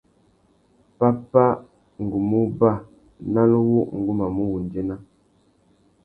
Pápá, ngu mú uba ; nán wu ngu mà mù wundzéna.